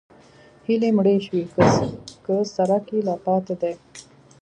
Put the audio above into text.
هیلې مړې شوي که څرک یې لا پاتې دی؟